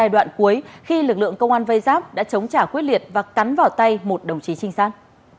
đoạn cuối khi lực lượng công an vây giáp đã chống trả quyết liệt và cắn vào tay một đồng chí trinh sát